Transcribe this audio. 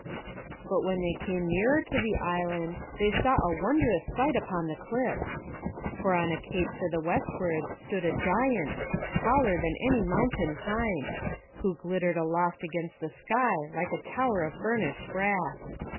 But when they came nearer to the island they saw a wondrous sight upon the cliffs. For on a cape to the westward stood a giant, taller than any mountain pine; who glittered aloft against the sky like a tower of burnished brass.